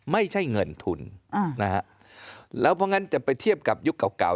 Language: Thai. ไม่ใช่เงินทุนนะฮะแล้วเพราะงั้นจะไปเทียบกับยุคเก่าเก่า